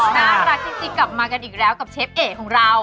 น่ารักจริงกลับมากันอีกแล้วกับเชฟเอกของเรา